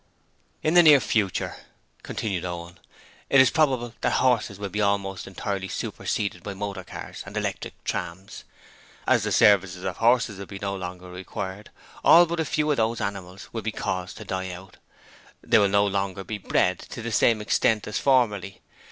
'In the near future,' continued Owen, 'it is probable that horses will be almost entirely superseded by motor cars and electric trams. As the services of horses will be no longer required, all but a few of those animals will be caused to die out: they will no longer be bred to the same extent as formerly.